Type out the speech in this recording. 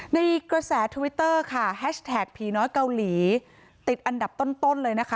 ในกระแสทวิตเตอร์ค่ะแฮชแท็กผีน้อยเกาหลีติดอันดับต้นเลยนะคะ